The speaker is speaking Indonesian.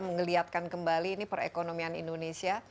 mengeliatkan kembali ini perekonomian indonesia